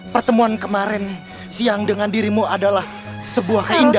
pertemuan kemarin siang dengan dirimu adalah sebuah keindahan